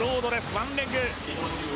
ワンレグ。